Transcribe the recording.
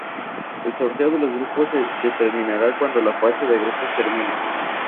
El sorteo de los grupos se determinará cuando la fase de grupos termine.